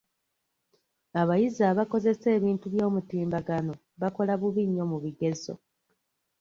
Abayizi abakozesa ebintu by'omutimbagano bakola bubi nnyo mu bigezo.